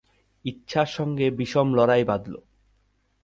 ইচ্ছার সঙ্গে বিষম লড়াই বাধল।